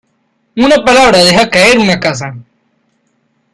Una palabra deja caer una casa.